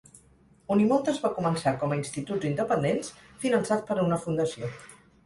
Unimontes va començar com a instituts independents, finançats per una fundació.